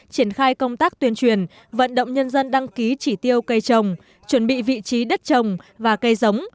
triển khai công tác tuyên truyền vận động nhân dân đăng ký chỉ tiêu cây trồng chuẩn bị vị trí đất trồng và cây giống